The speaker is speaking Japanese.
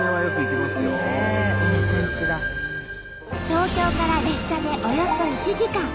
東京から列車でおよそ１時間。